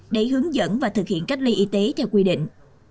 để hướng dẫn và thực hiện cách ly y tế theo quy định